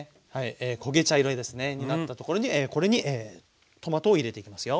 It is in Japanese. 焦げ茶色にですねになったところにこれにトマトを入れていきますよ。